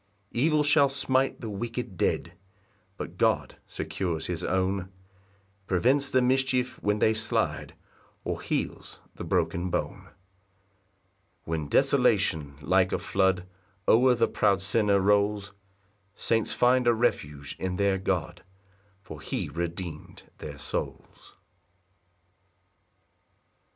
5 Evil shall smite the wicked dead; But God secures his own, Prevents the mischief when they slide, Or heals the broken bone. 6 When desolation like a flood, O'er the proud sinner rolls, Saints find a refuge in their God, For he redeem'd their souls.